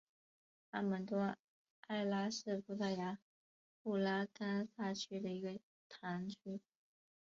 阿门多埃拉是葡萄牙布拉干萨区的一个堂区。